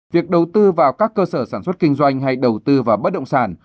việc đầu tư vào các cơ sở sản xuất kinh doanh hay đầu tư vào bất động sản